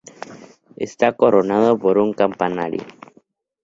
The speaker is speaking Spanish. Está coronado por un campanario.